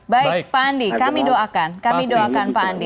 baik pak andi kami doakan kami doakan pak andi